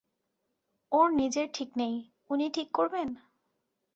ওঁর নিজের ঠিক নেই, উনি ঠিক করবেন!